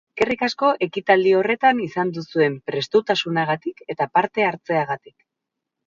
Eskerrik asko ekitaldi horretan izan duzuen prestutasunagatik eta parte hartzeagatik.